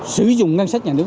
sử dụng ngân sách nhà nước